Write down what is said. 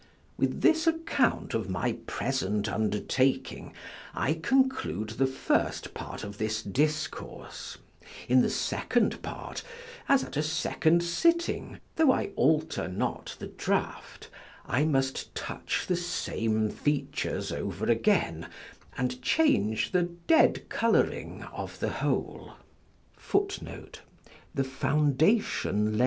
With this account of my present undertaking, I conclude the first part of this discourse; in the second part, as at a second sitting, tho' I alter not the draught, I must touch the same features over again, and change the dead coloring of the whole.